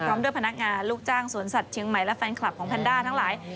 พร้อมด้วยพนักงานลูกจ้างสวนสัตว์เชียงใหม่และแฟนคลับของแพนด้าทั้งหลาย